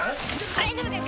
大丈夫です